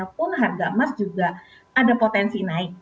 pun harga emas juga ada potensi naik